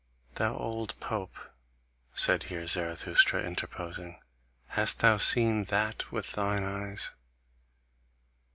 "Thou old pope," said here Zarathustra interposing, "hast thou seen THAT with thine eyes?